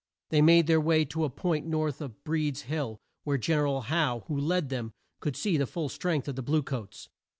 They made their way to a point north of Breed's Hill, where Gen er al Howe, who led them, could see the full strength of the blue coats.